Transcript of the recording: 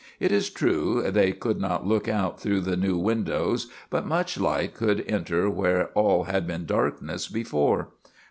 It is true, they could not look out through the new windows, but much light could enter where all had been darkness before.